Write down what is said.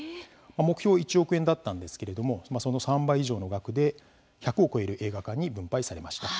目標１億円だったんですけれどもその３倍以上の額で１００を超える映画館に分配されました。